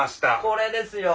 これですよ。